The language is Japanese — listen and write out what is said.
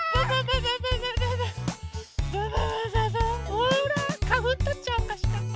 ほらかふんとっちゃおうかしら？